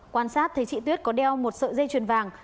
quan sát thấy chị tuyết có đeo một sợi dây chuyền vàng